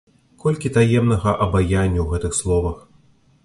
Колькі таемнага абаяння ў гэтых словах!